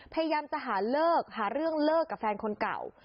พยายามจะหาเลิกหาเรื่องเลิกกับแฟนคนเก่า